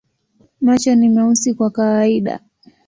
Macho ni meusi kwa kawaida.